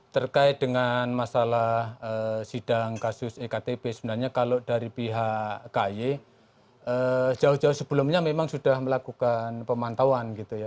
terkait dengan masalah sidang kasus ektp sebenarnya kalau dari pihak ky jauh jauh sebelumnya memang sudah melakukan pemantauan gitu ya